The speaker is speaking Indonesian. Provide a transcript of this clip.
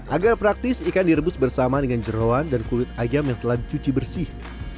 agar praktis ikan direbus bersama dengan jerawan dan kulit ayam yang telah dicuci bersih